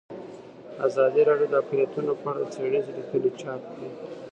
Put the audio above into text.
ازادي راډیو د اقلیتونه په اړه څېړنیزې لیکنې چاپ کړي.